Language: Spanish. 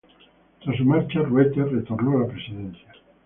Tras su marcha, Ruete retornó a la presidencia.